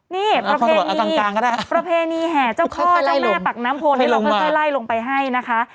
นี่ประเพณีประเพณีแห่เจ้าพ่อเจ้าแม่ปากน้ำโพนี่เราค่อยไล่ลงไปให้นะคะ